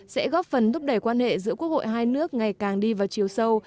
sẽ góp phần thúc đẩy quan hệ giữa quốc hội hai nước ngày càng đi vào chiều sâu